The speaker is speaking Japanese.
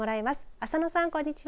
浅野さん、こんにちは。